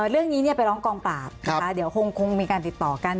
เรื่องนี้ไปร้องกองปราบนะคะเดี๋ยวคงมีการติดต่อกัน